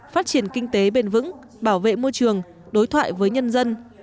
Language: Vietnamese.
phát triển kinh tế bền vững bảo vệ môi trường đối thoại với nhân dân